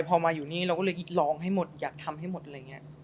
พอมาอยู่นี่เราก็เลยลองให้หมดอยากทำให้หมดอะไรอย่างนี้